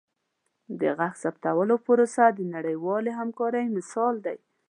د غږ ثبتولو پروسه د نړیوالې همکارۍ مثال دی.